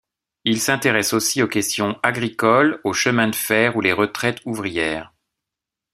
Il s'intéresse aussi aux questions agricoles, aux chemins de fer ou les retraites ouvrières.